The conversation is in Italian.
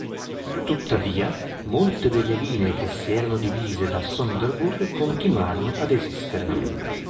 Tuttavia, molte delle linee che si erano divise da Sonderburg continuarono ad esistere.